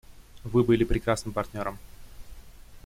Вы были прекрасным партнером.